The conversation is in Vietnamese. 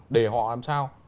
để họ làm sao